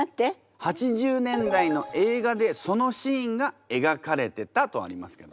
８０年代の映画でそのシーンが描かれてたとありますけど。